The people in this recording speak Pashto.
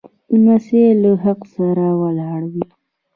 لمسی له حق سره ولاړ وي.